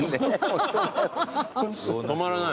止まらない。